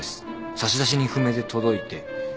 差出人不明で届いて。